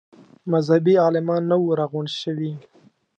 مذهبي عالمان نه وه راغونډ شوي.